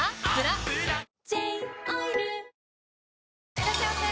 いらっしゃいませ！